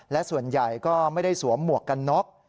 และส่วนใหญ่ก็ไม่ได้สวมหมวกกันน็อก